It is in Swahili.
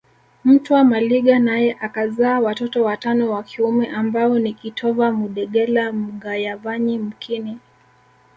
Mtwa Maliga naye akazaa watoto watano wa kiume ambao ni kitova Mudegela Mgayavanyi mkini